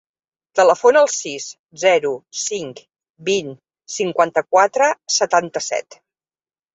Telefona al sis, zero, cinc, vint, cinquanta-quatre, setanta-set.